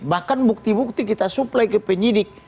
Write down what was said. bahkan bukti bukti kita suplai ke penyidik